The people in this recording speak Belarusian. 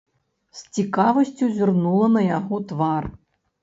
З цікавасцю зірнула на яго твар.